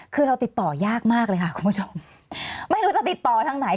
คือเราติดต่อยากมากเลยค่ะคุณผู้ชมไม่รู้จะติดต่อทางไหน